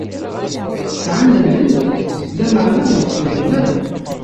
Sɛan allen, lameɛna ur ttwalin ara.